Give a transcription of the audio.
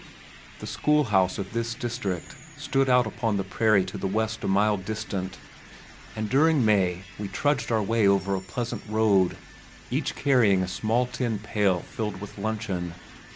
The school house of this district stood out upon the prairie to the west a mile distant, and during May we trudged our way over a pleasant road, each carrying a small tin pail filled with luncheon.